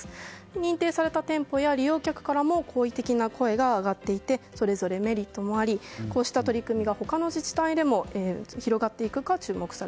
認定された店舗や利用客からも好意的な声が上がっていてそれぞれメリットもありこうした取り組みが他の自治体でも広がっていくか